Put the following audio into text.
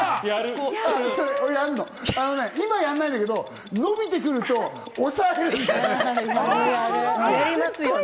あのね、今、やんないんだけど、伸びてくると押さえるんだよね。